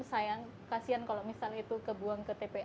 sayang kasian kalau misalnya itu kebuang ke tpa